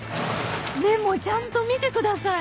メモちゃんと見てください！